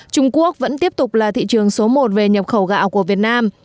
trung quốc vẫn tiếp tục là thị trường số một về nhập khẩu gạo của việt nam